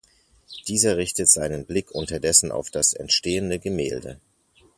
Dieser richtet seinen Blick unterdessen auf das entstehende Gemälde.